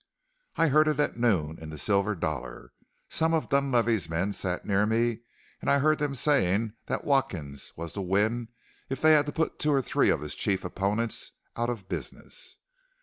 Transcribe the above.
"I heard it at noon in the Silver Dollar. Some of Dunlavey's men sat near me and I heard them saying that Watkins was to win if they had to put two or three of his chief opponents out of business."